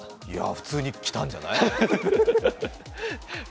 いやぁ、普通に着たんじゃない？